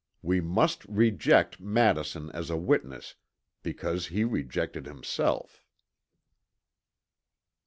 We must reject Madison as a witness because he rejected himself.